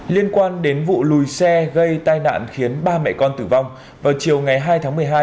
liên quan đến vụ lùi xe gây tai nạn khiến ba mẹ con tử vong vào chiều ngày hai tháng một mươi hai